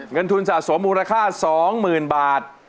เงินทุนสะสมมูลค่าสองหมื่นบาท